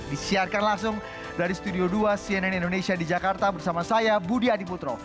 disiarkan langsung dari studio dua cnn indonesia di jakarta bersama saya budi adiputro